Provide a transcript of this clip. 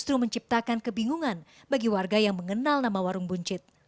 dan justru menciptakan kebingungan bagi warga yang mengenal nama warung buncit